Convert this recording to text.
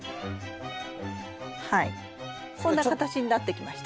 はいこんな形になってきました。